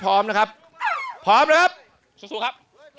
เฮ่น้องช้างแต่ละเชือกเนี่ย